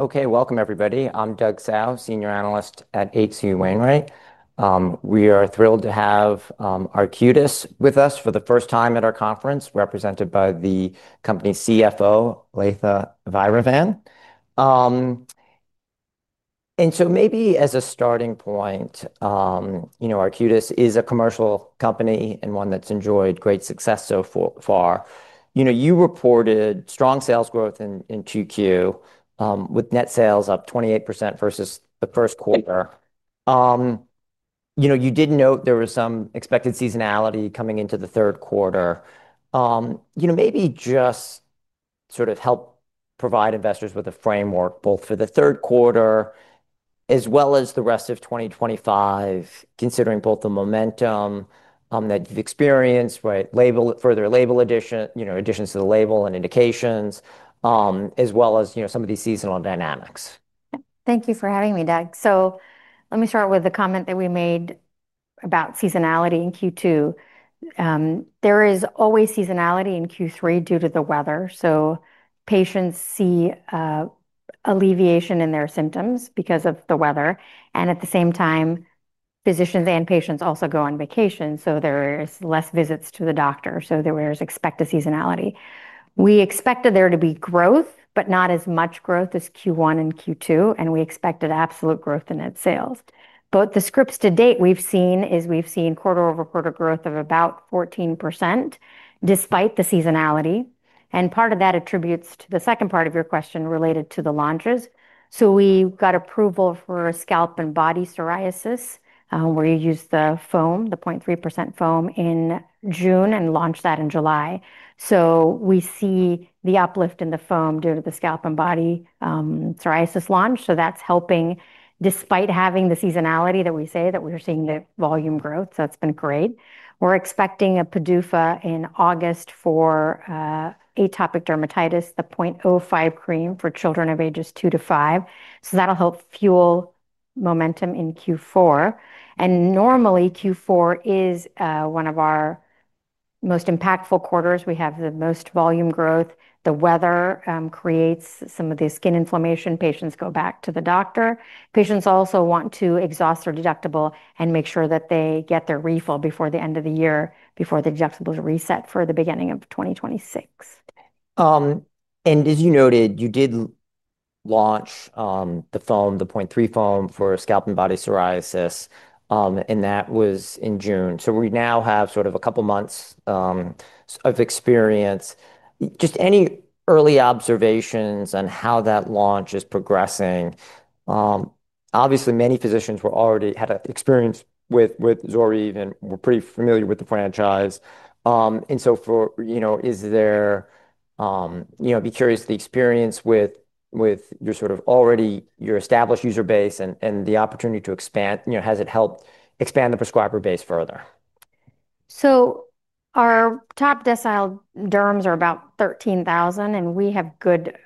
Okay, welcome everybody. I'm Doug Tsao, Senior Analyst at H.C. Wainwright. We are thrilled to have Arcutis Biotherapeutics with us for the first time at our conference, represented by the company's CFO, Latha Vairavan. Maybe as a starting point, you know, Arcutis is a commercial company and one that's enjoyed great success so far. You reported strong sales growth in Q2, with net sales up 28% versus the first quarter. You did note there was some expected seasonality coming into the third quarter. Maybe just sort of help provide investors with a framework both for the third quarter as well as the rest of 2025, considering both the momentum that you've experienced, right? Further label addition, additions to the label and indications, as well as some of these seasonal dynamics. Thank you for having me, Doug. Let me start with the comment that we made about seasonality in Q2. There is always seasonality in Q3 due to the weather. Patients see alleviation in their symptoms because of the weather. At the same time, physicians and patients also go on vacation, so there are less visits to the doctor. There is expected seasonality. We expected there to be growth, but not as much growth as Q1 and Q2, and we expected absolute growth in net sales. The scripts to date we've seen is we've seen quarter over quarter growth of about 14% despite the seasonality. Part of that attributes to the second part of your question related to the launches. We got approval for scalp and body psoriasis, where you use the foam, the 0.3% foam in June and launched that in July. We see the uplift in the foam due to the scalp and body psoriasis launch. That's helping despite having the seasonality that we say that we're seeing the volume growth. That's been great. We're expecting a PDUFA in August for atopic dermatitis, the 0.05% cream for children of ages two-five. That'll help fuel momentum in Q4. Normally Q4 is one of our most impactful quarters. We have the most volume growth. The weather creates some of the skin inflammation. Patients go back to the doctor. Patients also want to exhaust their deductible and make sure that they get their refill before the end of the year, before the deductible is reset for the beginning of 2026. As you noted, you did launch the foam, the 0.3% foam for scalp and body psoriasis, and that was in June. We now have sort of a couple of months of experience. Any early observations on how that launch is progressing? Obviously, many physicians already had experience with ZORYVE and were pretty familiar with the franchise. For, you know, is there, you know, I'd be curious the experience with your sort of already your established user base and the opportunity to expand. Has it helped expand the prescriber base further? Our top decile derms are about 13,000 and we have good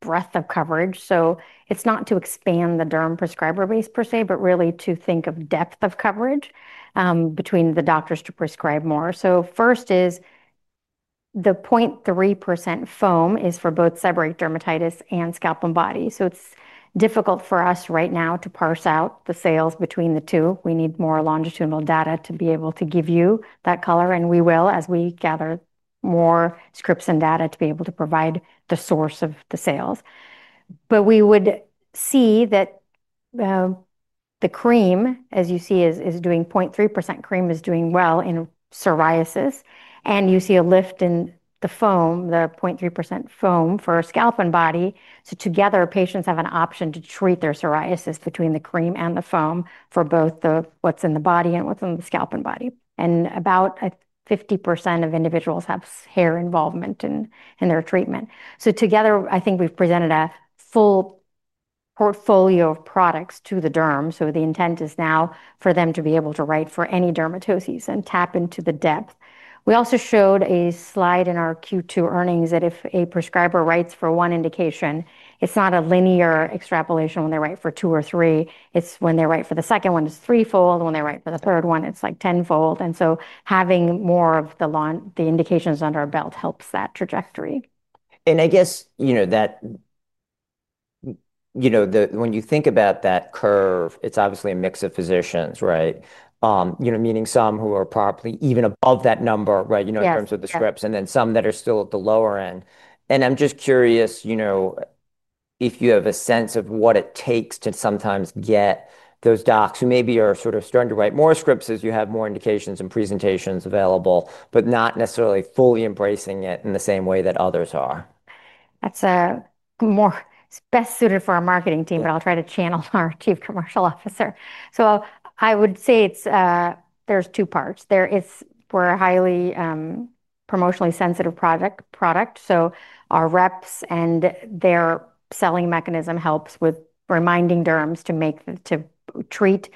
breadth of coverage. It is not to expand the derm prescriber base per se, but really to think of depth of coverage, between the doctors to prescribe more. First, the 0.3% foam is for both seborrheic dermatitis and scalp and body. It is difficult for us right now to parse out the sales between the two. We need more longitudinal data to be able to give you that color. We will, as we gather more scripts and data, be able to provide the source of the sales. We see that the cream, as you see, is doing, 0.3% cream is doing well in psoriasis. You see a lift in the foam, the 0.3% foam for scalp and body. Together, patients have an option to treat their psoriasis between the cream and the foam for both what's in the body and what's in the scalp and body. About 50% of individuals have hair involvement in their treatment. Together, I think we've presented a full portfolio of products to the derm. The intent is now for them to be able to write for any dermatoses and tap into the depth. We also showed a slide in our Q2 earnings that if a prescriber writes for one indication, it's not a linear extrapolation when they write for two or three. When they write for the second one, it's threefold. When they write for the third one, it's like tenfold. Having more of the indications under our belt helps that trajectory. I guess, you know, when you think about that curve, it's obviously a mix of physicians, right? You know, meaning some who are probably even above that number, right? You know, in terms of the scripts and then some that are still at the lower end. I'm just curious, you know, if you have a sense of what it takes to sometimes get those docs who maybe are sort of starting to write more scripts as you have more indications and presentations available, but not necessarily fully embracing it in the same way that others are. That's more best suited for our marketing team, but I'll try to channel our Chief Commercial Officer. I would say there's two parts. We're a highly promotionally sensitive product. Our reps and their selling mechanism help with reminding derms to treat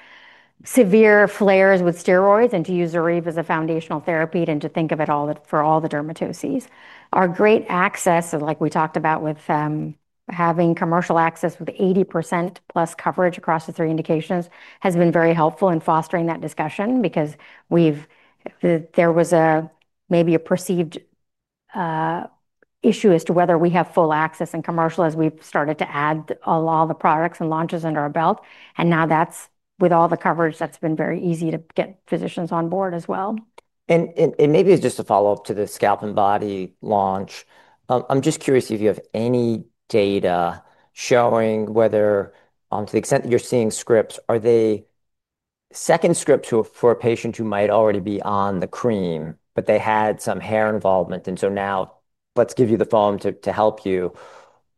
severe flares with steroids and to use ZORYVE as a foundational therapy and to think of it for all the dermatoses. Our great access, like we talked about with having commercial access with 80%+ coverage across the three indications, has been very helpful in fostering that discussion because there was maybe a perceived issue as to whether we have full access in commercial as we've started to add all the products and launches under our belt. Now with all the coverage, it's been very easy to get physicians on board as well. Maybe it's just a follow-up to the scalp and body launch. I'm just curious if you have any data showing whether, to the extent that you're seeing scripts, are they second scripts for a patient who might already be on the cream, but they had some hair involvement, and so now let's give you the foam to help you?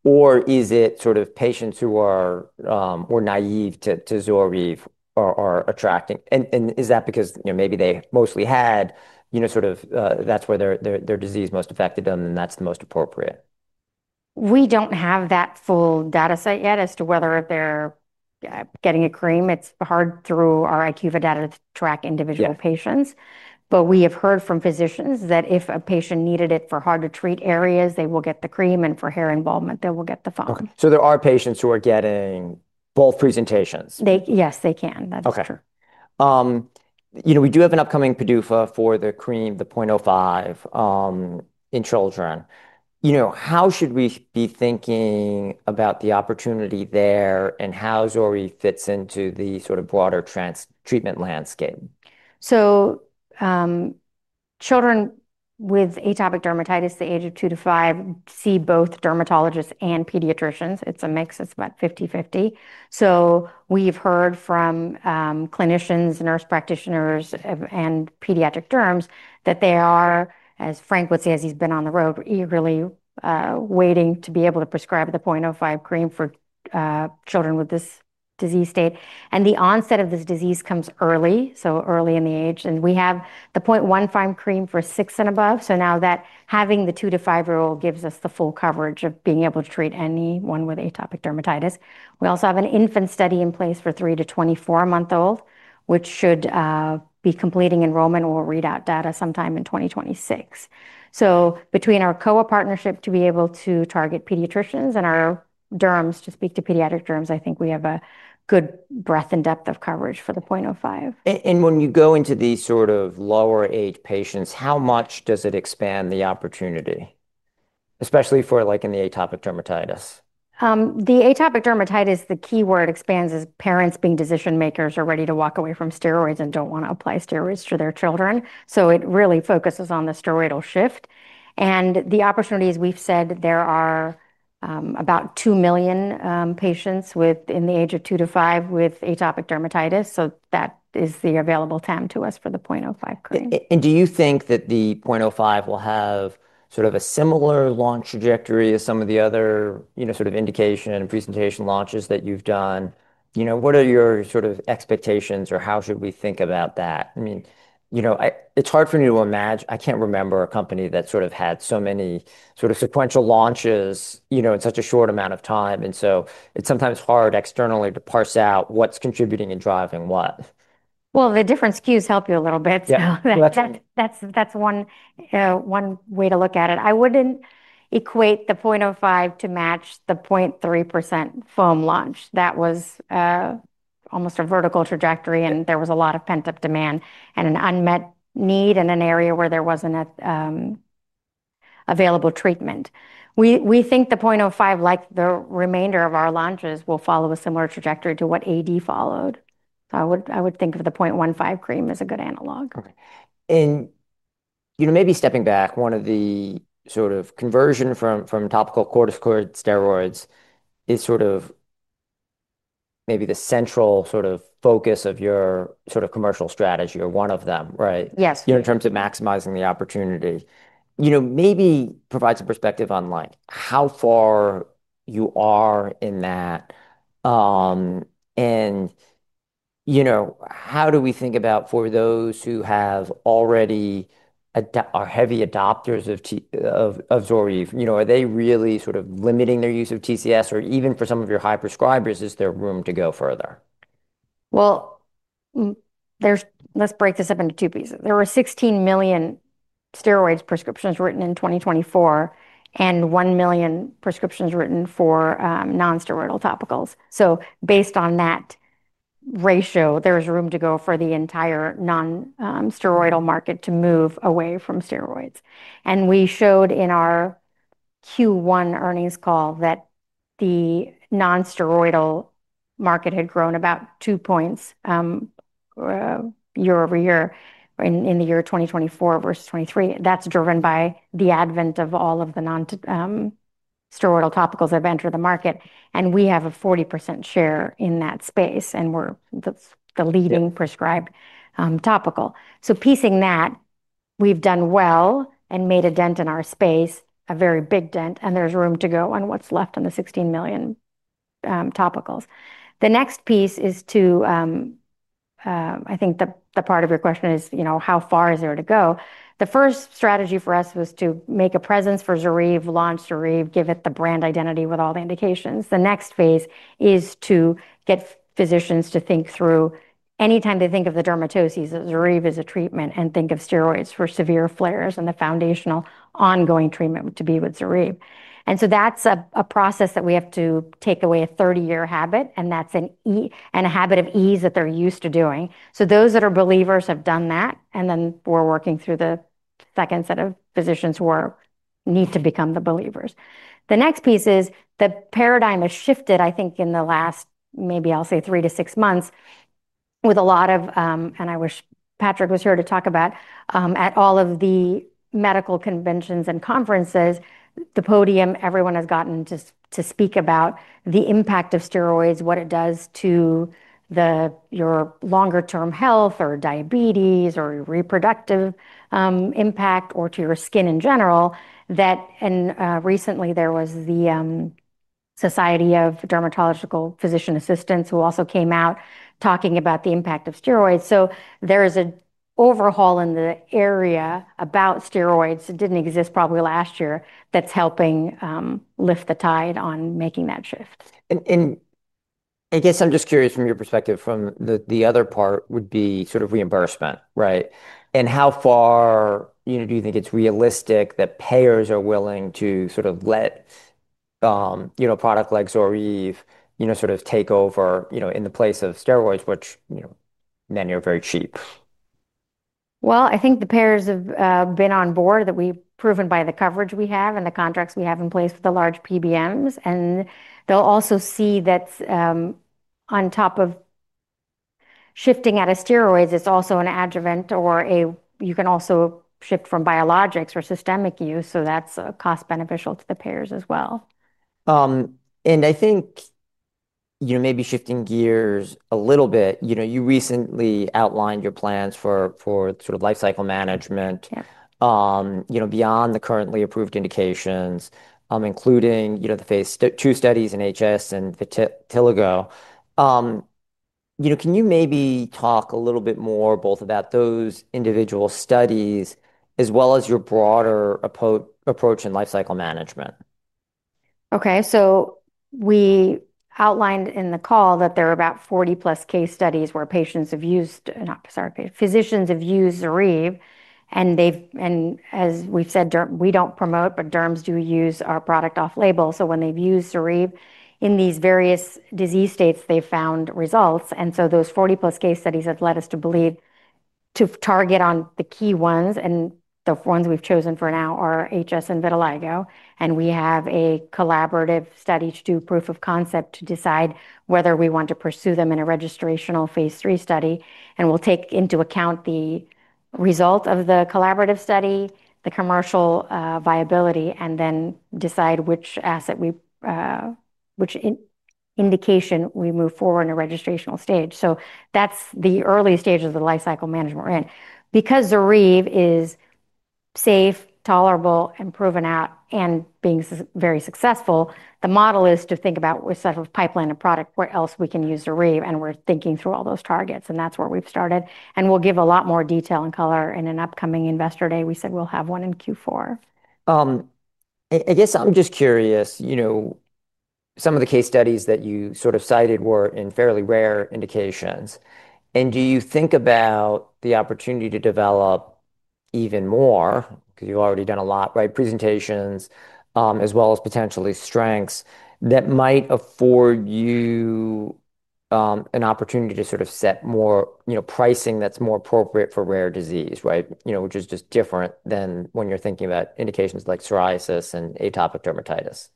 Is it sort of patients who were naive to ZORYVE are attracting, and is that because, you know, maybe they mostly had, you know, sort of, that's where their disease most affected them and that's the most appropriate? We don't have that full data set yet as to whether if they're getting a cream. It's hard through our IQVIA data to track individual patients. We have heard from physicians that if a patient needed it for hard-to-treat areas, they will get the cream and for hair involvement, they will get the foam. There are patients who are getting both presentations? Yes, they can. Okay, you know, we do have an upcoming PDUFA decision for the cream, the 0.05%, in children. You know, how should we be thinking about the opportunity there and how ZORYVE fits into the sort of broader treatment landscape? Children with atopic dermatitis at the age of two-five see both dermatologists and pediatricians. It's a mix. It's about 50/50. We've heard from clinicians, nurse practitioners, and pediatric derms that they are, as Frank would say, as he's been on the road, eagerly waiting to be able to prescribe the 0.05% Cream for children with this disease state. The onset of this disease comes early, so early in the age. We have the 0.15% Cream for six and above. Now that having the two-five-year-old gives us the full coverage of being able to treat anyone with atopic dermatitis. We also have an infant study in place for three to 24-month-olds, which should be completing enrollment. We'll read out data sometime in 2026. Between our COA partnership to be able to target pediatricians and our derms to speak to pediatric derms, I think we have a good breadth and depth of coverage for the 0.05%. When you go into these sort of lower-age patients, how much does it expand the opportunity, especially for like in the atopic dermatitis? The atopic dermatitis, the key word expands as parents being decision makers are ready to walk away from steroids and don't want to apply steroids to their children. It really focuses on the steroidal shift. The opportunities, we've said there are about 2 million patients within the age of two-five with atopic dermatitis. That is the available time to us for the 0.05% Cream. Do you think that the 0.05% will have sort of a similar launch trajectory as some of the other, you know, sort of indication and presentation launches that you've done? You know, what are your sort of expectations or how should we think about that? I mean, you know, it's hard for me to imagine. I can't remember a company that sort of had so many sort of sequential launches in such a short amount of time. It's sometimes hard externally to parse out what's contributing and driving what. The different SKUs help you a little bit. That's one way to look at it. I wouldn't equate the 0.05% to match the 0.3% foam launch. That was almost a vertical trajectory, and there was a lot of pent-up demand and an unmet need in an area where there wasn't available treatment. We think the 0.05%, like the remainder of our launches, will follow a similar trajectory to what AD followed. I would think of the 0.15% cream as a good analog. Okay. You know, maybe stepping back, one of the sort of conversions from topical corticosteroids is maybe the central sort of focus of your sort of commercial strategy or one of them, right? Yes. In terms of maximizing the opportunity, maybe provide a perspective on how far you are in that. How do we think about, for those who already are heavy adopters of ZORYVE, are they really sort of limiting their use of TCS, or even for some of your high prescribers, is there room to go further? Let's break this up into two pieces. There were 16 million steroids prescriptions written in 2024 and 1 million prescriptions written for non-steroidal topicals. Based on that ratio, there's room to go for the entire non-steroidal market to move away from steroids. We showed in our Q1 earnings call that the non-steroidal market had grown about 2 points year over year in 2024 versus 2023. That's driven by the advent of all of the non-steroidal topicals that have entered the market. We have a 40% share in that space and we're the leading prescribed topical. Piecing that, we've done well and made a dent in our space, a very big dent, and there's room to go on what's left on the 16 million topicals. The next piece is, I think the part of your question is, you know, how far is there to go? The first strategy for us was to make a presence for ZORYVE, launch ZORYVE, give it the brand identity with all the indications. The next phase is to get physicians to think through, anytime they think of the dermatoses, ZORYVE is a treatment and think of steroids for severe flares and the foundational ongoing treatment to be with ZORYVE. That's a process that we have to take away a 30-year habit and that's an ease and a habit of ease that they're used to doing. Those that are believers have done that and then we're working through the second set of physicians who need to become the believers. The next piece is the paradigm has shifted, I think, in the last, maybe I'll say three to six months, with a lot of, and I wish Patrick was here to talk about, at all of the medical conventions and conferences, the podium, everyone has gotten to speak about the impact of steroids, what it does to your longer-term health or diabetes or reproductive impact or to your skin in general. That, and, recently there was the Society of Dermatological Physician Assistants who also came out talking about the impact of steroids. There is an overhaul in the area about steroids that didn't exist probably last year that's helping lift the tide on making that shift. I'm just curious from your perspective, from the other part, would be sort of reimbursement, right? How far do you think it's realistic that payers are willing to sort of let a product like ZORYVE, you know, sort of take over in the place of steroids, which, you know, many are very cheap? I think the payers have been on board, that we've proven by the coverage we have and the contracts we have in place with the large PBMs. They'll also see that, on top of shifting out of steroids, it's also an adjuvant or you can also shift from biologics or systemic use. That's cost-beneficial to the payers as well. I think maybe shifting gears a little bit, you recently outlined your plans for sort of lifecycle management beyond the currently approved indications, including the phase two studies in HS and vitiligo. Can you maybe talk a little bit more both about those individual studies as well as your broader approach in lifecycle management? Okay. We outlined in the call that there are about 40+ case studies where patients have used, and not physicians have used, ZORYVE. As we've said, we don't promote, but derms do use our product off-label. When they've used ZORYVE in these various disease states, they've found results. Those 40+ case studies have led us to believe to target the key ones. The ones we've chosen for now are HS and vitiligo. We have a collaborative study to do proof of concept to decide whether we want to pursue them in a registrational phase three study. We'll take into account the result of the collaborative study, the commercial viability, and then decide which asset, which indication, we move forward in a registrational stage. That's the early stages of the lifecycle management we're in. Because ZORYVE is safe, tolerable, and proven out, and being very successful, the model is to think about such a pipeline of product where else we can use ZORYVE. We're thinking through all those targets. That's where we've started. We'll give a lot more detail and color in an upcoming investor day. We said we'll have one in Q4. I guess I'm just curious, some of the case studies that you sort of cited were in fairly rare indications. Do you think about the opportunity to develop even more, because you've already done a lot, right, presentations, as well as potentially strengths that might afford you an opportunity to sort of set more pricing that's more appropriate for rare disease, which is just different than when you're thinking about indications like psoriasis and atopic dermatitis.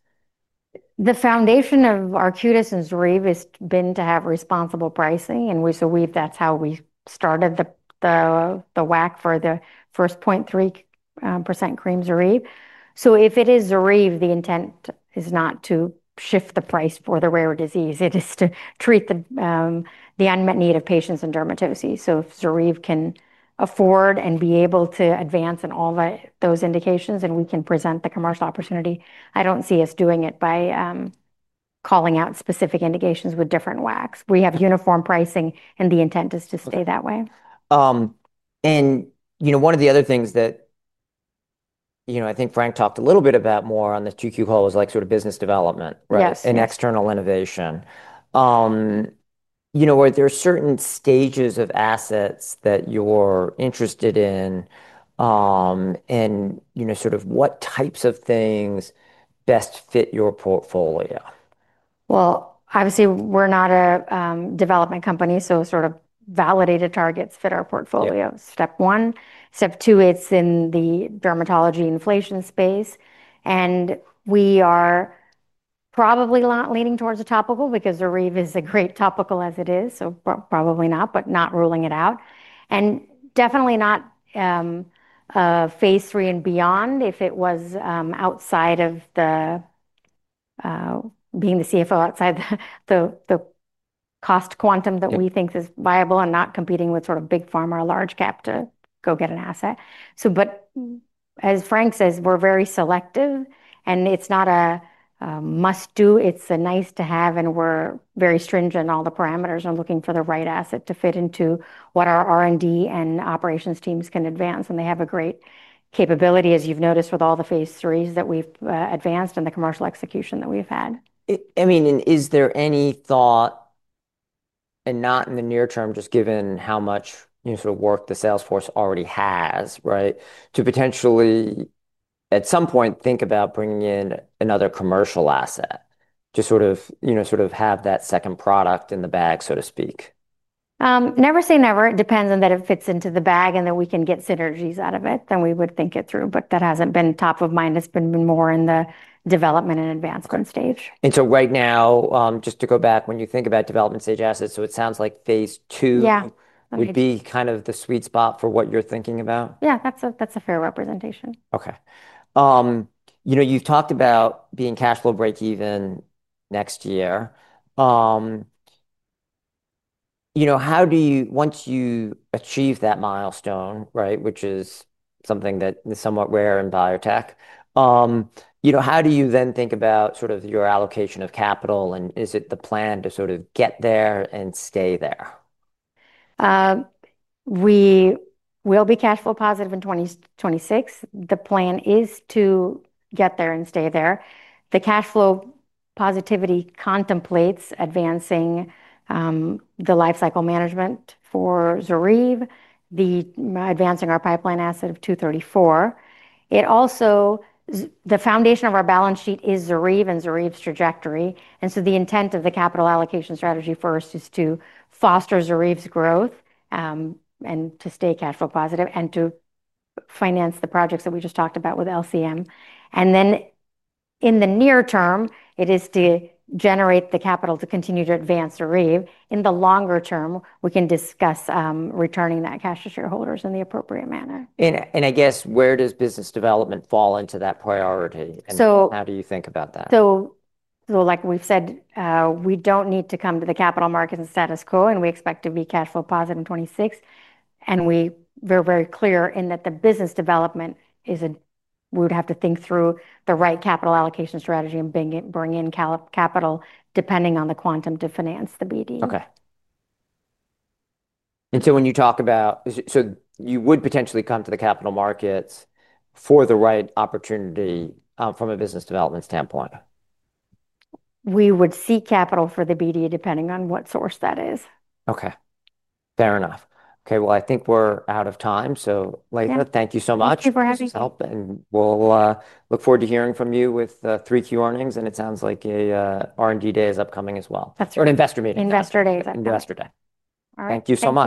The foundation of Arcutis and ZORYVE has been to have responsible pricing. That's how we started the WAC for the first 0.3% Cream ZORYVE. If it is ZORYVE, the intent is not to shift the price for the rare disease. It is to treat the unmet need of patients and dermatoses. If ZORYVE can afford and be able to advance in all those indications and we can present the commercial opportunity, I don't see us doing it by calling out specific indications with different WACs. We have uniform pricing and the intent is to stay that way. One of the other things that I think Frank talked a little bit about more on the Q2 call was like sort of business development, right? Yes. External innovation. Are there certain stages of assets that you're interested in, and what types of things best fit your portfolio? Obviously, we're not a development company, so sort of validated targets fit our portfolio. Step one. Step two, it's in the dermatology inflammation space. We are probably not leaning towards a topical because ZORYVE is a great topical as it is, so probably not, but not ruling it out. Definitely not a phase three and beyond if it was outside of the, being the CFO, outside the cost quantum that we think is viable and not competing with sort of big Pharma or large cap to go get an asset. As Frank says, we're very selective and it's not a must-do. It's a nice-to-have and we're very stringent on all the parameters and looking for the right asset to fit into what our R&D and operations teams can advance. They have a great capability, as you've noticed with all the phase threes that we've advanced in the commercial execution that we've had. Is there any thought, not in the near term, just given how much work the salesforce already has, to potentially at some point think about bringing in another commercial asset to have that second product in the bag, so to speak? Never say never. It depends on that it fits into the bag and that we can get synergies out of it, then we would think it through. That hasn't been top of mind. It's been more in the development and advancement stage. Right now, just to go back, when you think about development stage assets, it sounds like phase two would be kind of the sweet spot for what you're thinking about? Yeah, that's a fair representation. Okay, you know, you've talked about being cash flow break even next year. You know, how do you, once you achieve that milestone, which is something that is somewhat rare in biotech, you know, how do you then think about sort of your allocation of capital, and is it the plan to sort of get there and stay there? We will be cash flow positive in 2026. The plan is to get there and stay there. The cash flow positivity contemplates advancing the lifecycle management for ZORYVE, advancing our pipeline asset of 234. The foundation of our balance sheet is ZORYVE and ZORYVE's trajectory. The intent of the capital allocation strategy first is to foster ZORYVE's growth, to stay cash flow positive, and to finance the projects that we just talked about with LCM. In the near term, it is to generate the capital to continue to advance ZORYVE. In the longer term, we can discuss returning that cash to shareholders in the appropriate manner. Where does business development fall into that priority, and how do you think about that? Like we've said, we don't need to come to the capital market and status quo, and we expect to be cash flow positive in 2026. We're very clear in that the business development is a, we would have to think through the right capital allocation strategy and bring in capital depending on the quantum to finance the BD. Okay. When you talk about, you would potentially come to the capital markets for the right opportunity, from a business development standpoint? We would seek capital for the BD depending on what source that is. Okay. Fair enough. I think we're out of time. Latha, thank you so much. Thank you for having me. We look forward to hearing from you with the 3Q earnings. It sounds like an R&D day is upcoming as well. That's right. An investor meeting. Investor Day is upcoming. Investor Day. All right. Thank you so much.